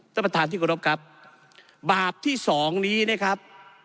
ท่านประธานที่กรบครับบาปที่สองนี้นะครับ